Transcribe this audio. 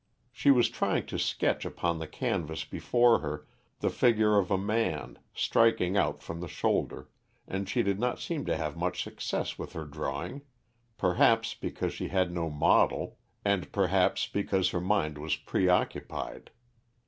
She was trying to sketch upon the canvas before her the figure of a man, striking out from the shoulder, and she did not seem to have much success with her drawing, perhaps because she had no model, and perhaps because her mind was pre occupied.